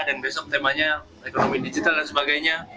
dan besok temanya ekonomi digital dan sebagainya